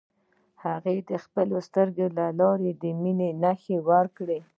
هغې د خپلو سترګو له لارې د مینې نښه ورکړه.